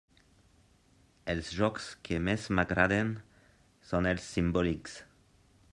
Els jocs que més m'agraden són els simbòlics.